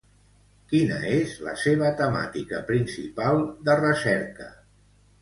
Quina és la seva temàtica principal de recerca?